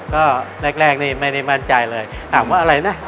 ก็แรกนี่ไม่ได้มั่นใจเลยถามว่าอะไรนะ